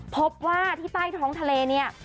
พบว่าที่ใต้ท้องทะเลเนี่ย